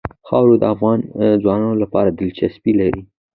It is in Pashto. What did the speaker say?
خاوره د افغان ځوانانو لپاره دلچسپي لري.